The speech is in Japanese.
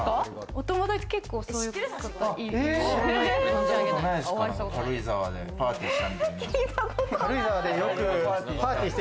お友達、結構そういう方います。